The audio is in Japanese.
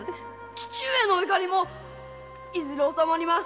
〔父上の怒りもいずれおさまります〕